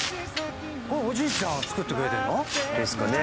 おじいちゃんが作ってくれてるの？ですかね。